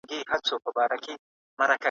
آيا سانسور سوي کتابونه ټولني ته ګټه رسوي؟